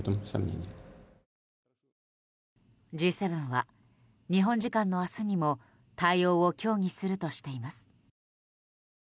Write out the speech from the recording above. Ｇ７は、日本時間の明日にも対応を協議するとしています。